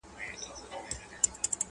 د پښتنو درنې جرګې به تر وړۍ سپکي سي،